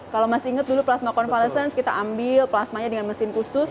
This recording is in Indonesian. kalau masih ingat dulu plasma konvalesen kita ambil plasmanya dengan mesin khusus